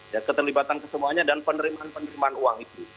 dan keterlibatan kesemuanya dan penerimaan penerimaan uang itu